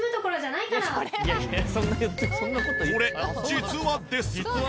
これ実話です。